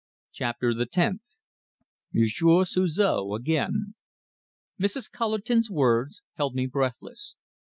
CHAPTER THE TENTH MONSIEUR SUZOR AGAIN Mrs. Cullerton's words held me breathless.